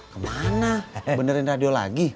ke mana benerin radio lagi